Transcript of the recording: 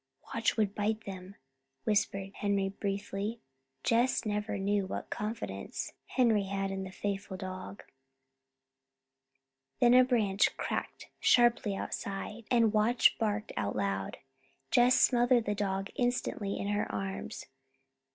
"Watch would bite 'em," whispered Henry briefly. Jess never knew what confidence Henry had in the faithful dog. Then a branch cracked sharply outside, and Watch barked out loud. Jess smothered the dog instantly in her arms.